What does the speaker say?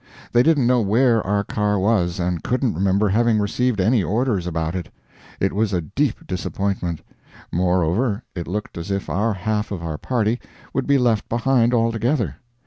They didn't know where our car was, and couldn't remember having received any orders about it. It was a deep disappointment; moreover, it looked as if our half of our party would be left behind altogether.